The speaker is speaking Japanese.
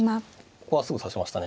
ここはすぐ指しましたね。